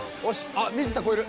あ水田こえる。